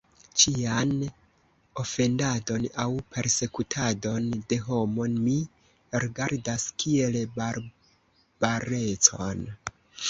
Ĉian ofendadon aŭ persekutadon de homo mi rigardas kiel barbarecon.